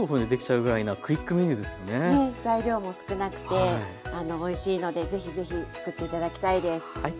材料も少なくておいしいのでぜひぜひつくって頂きたいです。